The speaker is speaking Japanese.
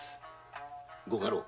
ご家老！